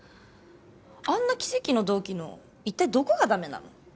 あんな奇跡の同期の一体どこがダメなの？